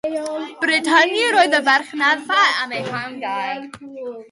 Bryd hynny roedd y farchnadfa wedi'i hamgáu.